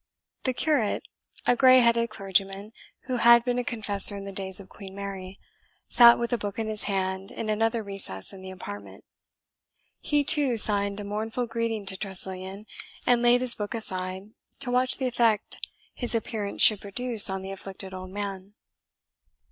The curate, a grey headed clergyman, who had been a confessor in the days of Queen Mary, sat with a book in his hand in another recess in the apartment. He, too, signed a mournful greeting to Tressilian, and laid his book aside, to watch the effect his appearance should produce on the afflicted old man.